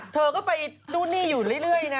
เธอก็ไปนู่นนี่อยู่เรื่อยนะ